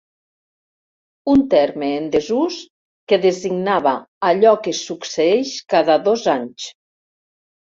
Un terme en desús que designava allò que succeeix cada dos anys.